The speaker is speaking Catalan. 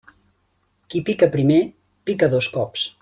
Qui pica primer, pica dos cops.